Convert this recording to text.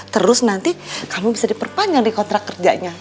terus nanti kamu bisa diperpanjang di kontrak kerjanya